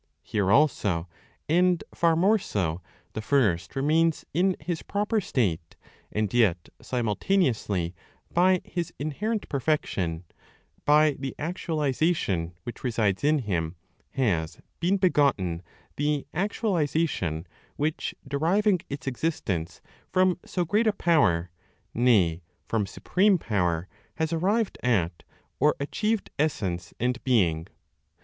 Here also, and far more so, the First remains in His proper state, and yet simultaneously, by His inherent perfection, by the actualization which resides in Him, has been begotten the actualization which, deriving its existence from so great a power, nay, from supreme Power, has arrived at, or achieved essence and being.